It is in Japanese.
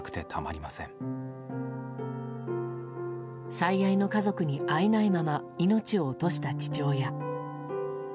最愛の家族へ会えないまま命を落とした父親。